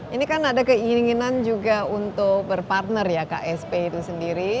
ini kan ada keinginan juga untuk berpartner ya ksp itu sendiri